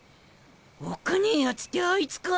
おっかねえやつってあいつか。